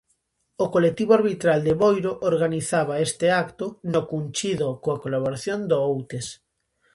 O colectivo arbitral de Boiro organizaba este acto no Cunchido coa colaboración do Outes.